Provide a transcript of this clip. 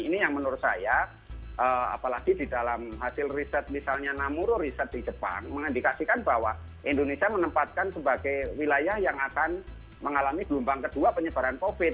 ini yang menurut saya apalagi di dalam hasil riset misalnya namuru riset di jepang mengindikasikan bahwa indonesia menempatkan sebagai wilayah yang akan mengalami gelombang kedua penyebaran covid